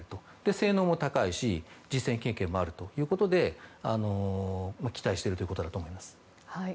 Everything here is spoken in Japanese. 性能も高いし実戦経験もあるということで期待しているということだと思います。